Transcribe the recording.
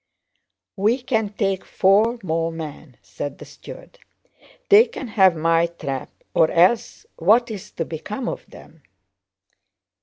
"We can take four more men," said the steward. "They can have my trap, or else what is to become of them?"